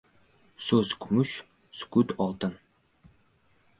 • So‘z ― kumush, sukut ― oltin.